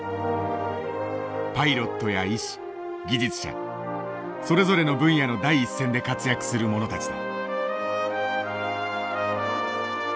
パイロットや医師技術者それぞれの分野の第一線で活躍する者たちだ。